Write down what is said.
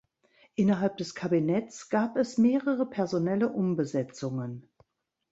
Innerhalb des Kabinetts gab es mehrere personelle Umbesetzungen.